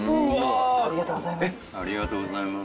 ありがとうございます。